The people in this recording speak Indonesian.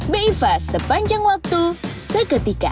meifa sepanjang waktu seketika